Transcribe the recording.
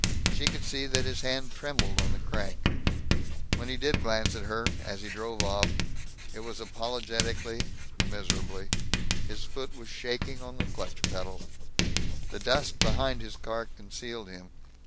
She could see that his hand trembled on the crank. When he did glance at her, as he drove off, it was apologetically, miserably. His foot was shaking on the clutch pedal. The dust behind his car concealed him.